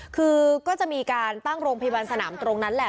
คือก็จะมีการตั้งโรงพยาบาลสนามตรงนั้นแหละ